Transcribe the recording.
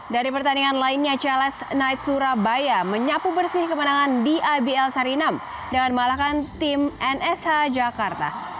dari pertandingan lainnya ciales naid surabaya menyapu bersih kemenangan di ibl sari enam dengan malahkan tim nsh jakarta